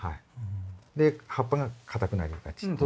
で葉っぱがかたくなりがち。